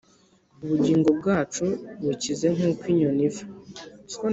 Ubugingo bwacu bukize nkuko inyoni iva